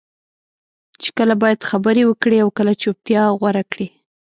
چې کله باید خبرې وکړې او کله چپتیا غوره کړې.